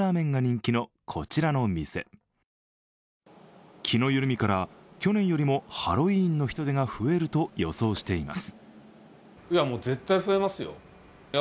気の緩みから、去年よりもハロウィーンの人出が増えると予想しています。